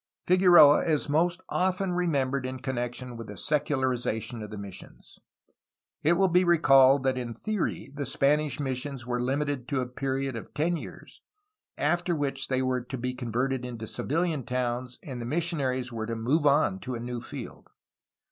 Figueroa is most often remembered in connection with the secularization of the missions. It will be recalled that in theory the Spanish missions were limited to a period of ten years, after which they were to be converted into civilian towns and the missionaries were to move on to a new field.